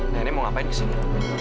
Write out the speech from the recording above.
nenek mau ngapain ke sini